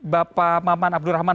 bapak maman abdurrahman